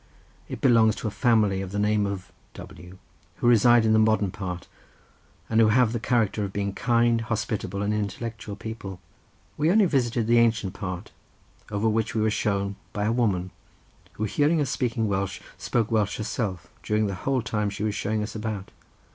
It belongs to a family of the name of W—, who reside in the modern part, and who have the character of being kind, hospitable, and intellectual people. We only visited the ancient part, over which we were shown by a woman, who hearing us speaking Welsh, spoke Welsh herself during the whole time she was showing us about.